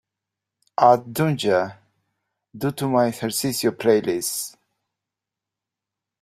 add Dunja, du to my ejercicio playlist